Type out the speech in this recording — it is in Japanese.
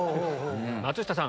松下さん